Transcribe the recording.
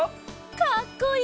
かっこいい！